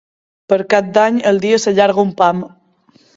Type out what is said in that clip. Per Cap d'Any el dia s'allarga un pam.